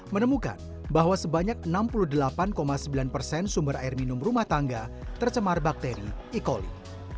menemukan bahwa sebanyak enam puluh delapan sembilan persen sumber air minum rumah tangga tercemar bakteri e coli